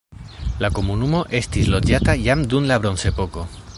La komunumo estis loĝata jam dum la bronzepoko.